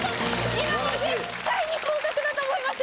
今もう絶対に降格だと思いました